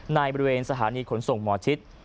ในบริเวณสถานีขนส่งหมอชิด